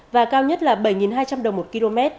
và cao nhất là bảy hai trăm linh đồng một km